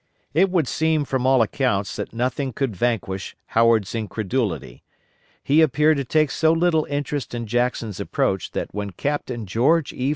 It would seem from all accounts that nothing could vanquish Howard's incredulity. He appeared to take so little interest in Jackson's approach that when Captain George E.